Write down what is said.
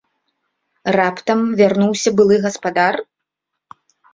Раптам вярнуўся былы гаспадар?